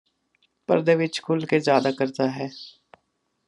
ਪਰਦੇ ਵਿੱਚ ਖੁੱਲ ਕੇ ਜਿਆਦਾ ਕਰਦਾ ਹੈ